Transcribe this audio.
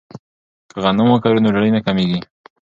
که غنم وکرو نو ډوډۍ نه کمیږي.